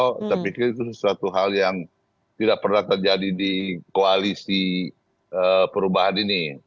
saya pikir itu sesuatu hal yang tidak pernah terjadi di koalisi perubahan ini